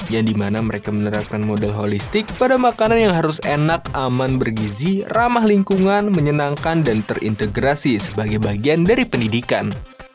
yang dimana mereka menerapkan model holistik pada makanan yang harus enak aman bergizi ramah lingkungan menyenangkan dan terintegrasi sebagai bagian dari pendidikan